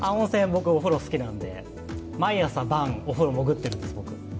僕、お風呂好きなんで、毎朝晩、お風呂潜ってるんです、僕。